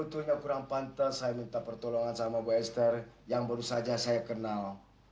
sebetulnya kurang pantas saya minta pertolongan sama bu esther yang baru saja saya kenal